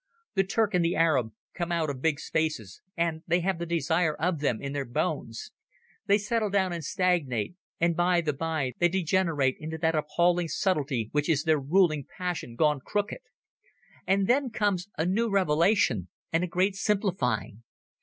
The Turk and the Arab came out of big spaces, and they have the desire of them in their bones. They settle down and stagnate, and by the by they degenerate into that appalling subtlety which is their ruling passion gone crooked. And then comes a new revelation and a great simplifying.